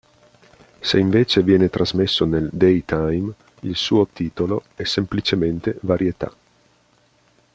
Se invece viene trasmesso nel day-time, il suo titolo è semplicemente Varietà.